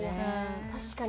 確かに。